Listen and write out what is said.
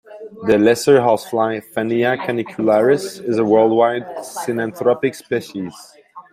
The lesser housefly "Fannia canicularis" is a worldwide synanthropic species.